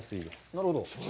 なるほど。